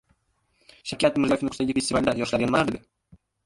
Shavkat Mirziyoyev Nukusdagi festivalda yoshlarga nimalar dedi?